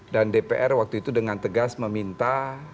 dan dpr waktu itu dengan tegas meminta